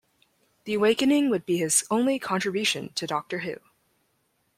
"The Awakening" would be his only contribution to "Doctor Who".